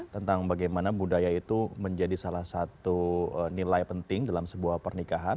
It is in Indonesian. tentang bagaimana budaya itu menjadi salah satu nilai penting dalam sebuah pernikahan